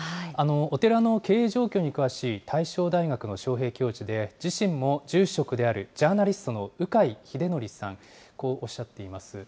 お寺の経営状況に詳しい大正大学の招へい教授で、自身も住職であるジャーナリストの鵜飼秀徳さん、こうおっしゃっています。